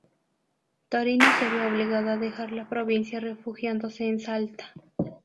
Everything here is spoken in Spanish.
Torino se vio obligado a dejar la provincia refugiándose en Salta.